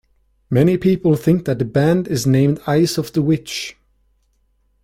Many people think that the band is named Eyes of the Witch.